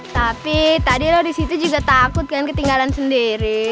tapi tadi lo di situ juga takut dengan ketinggalan sendiri